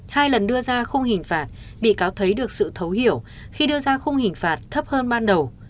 hai lần đưa ra khung hình phạt bị cáo thấy được sự thấu hiểu khi đưa ra khung hình phạt thấp hơn ban đầu